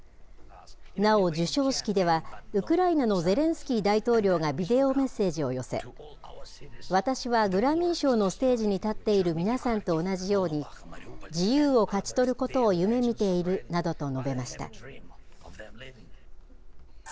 なお、授賞式では、ウクライナのゼレンスキー大統領がビデオメッセージを寄せ、私はグラミー賞のステージに立っている皆さんと同じように、自由を勝ち取ることを夢みているなどと述べました。